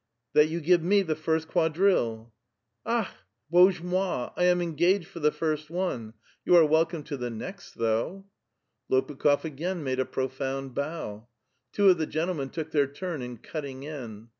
" That you give me the first quadrille." *' AJi'h ! Bozhe mo'i! I am engaged for the first one ! You ire welcome to the next, though," A VITAL QUESTION. 67 Lopukh6f again made a profound bow. Two of the gen tlemen took their turn in cutting in.